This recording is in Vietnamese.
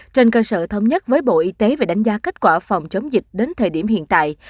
trên cơ sở thống nhất với bộ y tế về đánh giá kết quả phòng chống dịch đến thời điểm hiện tại